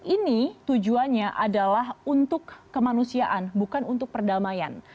ini tujuannya adalah untuk kemanusiaan bukan untuk perdamaian